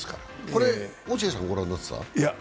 これ、落合さん、御覧になってた？